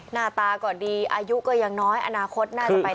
หน้าตาก่อนดีอายุก็ยังน้อยอนาคตน่าจะไปได้ไกล